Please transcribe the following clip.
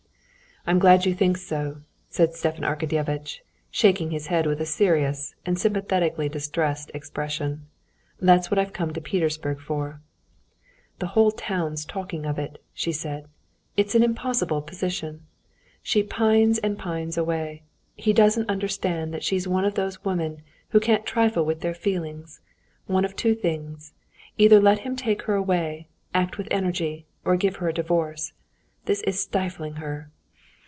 "I'm so glad you think so," said Stepan Arkadyevitch, shaking his head with a serious and sympathetically distressed expression, "that's what I've come to Petersburg for." "The whole town's talking of it," she said. "It's an impossible position. She pines and pines away. He doesn't understand that she's one of those women who can't trifle with their feelings. One of two things: either let him take her away, act with energy, or give her a divorce. This is stifling her."